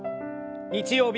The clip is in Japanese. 日曜日